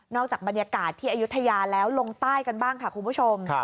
จากบรรยากาศที่อายุทยาแล้วลงใต้กันบ้างค่ะคุณผู้ชม